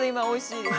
おいしい！